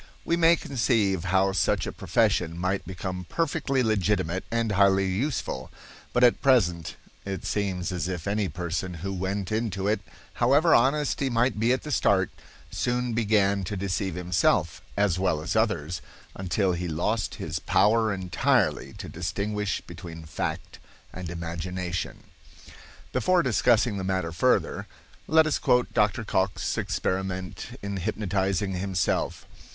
We may conceive how such a profession might become perfectly legitimate and highly useful; but at present it seems as if any person who went into it, however honest he might be at the start, soon began to deceive himself as well as others, until he lost his power entirely to distinguish between fact and imagination. Before discussing the matter further, let us quote Dr. Cocke's experiment in hypnotizing himself.